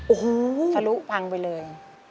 โอ้โหทะลุพังไปเลย